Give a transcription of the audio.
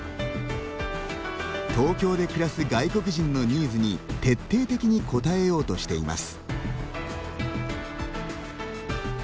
東京で暮らす外国人のニーズに徹底的に応えようとしています。